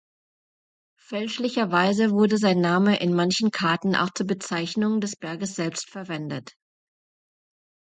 Fälschlicherweise wurde sein Name in manchen Karten auch zur Bezeichnung des Berges selbst verwendet.